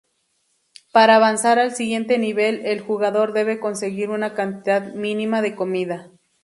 Para avanzar al siguiente nivel el jugador debe conseguir una cantidad mínima de comida.